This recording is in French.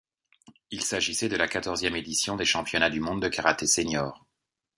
Il s'agissait de la quatorzième édition des championnats du monde de karaté senior.